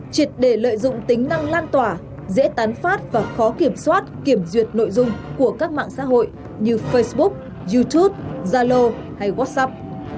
triệt để lợi dụng tính năng lan tỏa dễ tán phát và khó kiểm soát kiểm duyệt nội dung của các mạng xã hội như facebook youtube zalo hay workshop